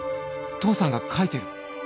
父さんが書いてる